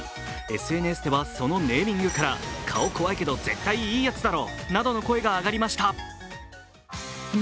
ＳＮＳではそのネーミングから顔怖いけど絶対いいやつだろなどの声が上がりました。